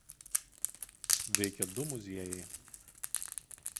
Veikia du muziejai.